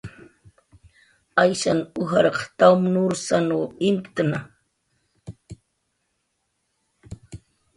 Ayshan ujarq tawm nursanw imktna